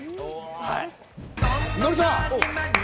はい。